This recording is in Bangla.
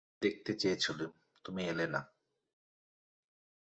দিনের প্রথম আলোয় তোমাকে দেখতে চেয়েছিলাম তুমি এলে না।